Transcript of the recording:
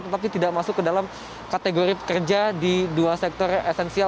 tetapi tidak masuk ke dalam kategori pekerja di dua sektor esensial